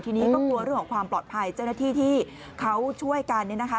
ทีนี้ก็กลัวเรื่องของความปลอดภัยเจ้าหน้าที่ที่เขาช่วยกันเนี่ยนะคะ